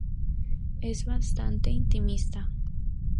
Es bastante intimista.